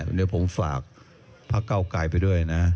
เดี๋ยวผมฝากพักก้าวไกลไปด้วยนะ